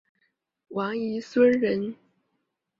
王沂孙人。